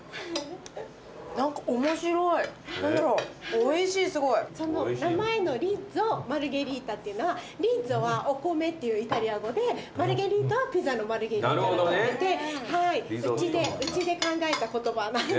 おいしいすごい。名前のリッゾマルゲリータっていうのは「リーゾ」は「お米」っていうイタリア語で「マルゲリータ」はピザのマルゲリータから取っててうちで考えた言葉。